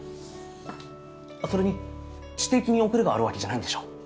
それに知的に遅れがあるわけじゃないんでしょ？